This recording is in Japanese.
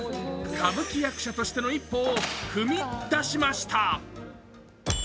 歌舞伎役者としての一歩を踏み出しました。